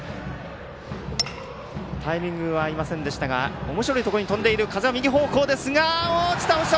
タイミングは合いませんでしたがおもしろいところに飛んでいる風は右方向、落ちた！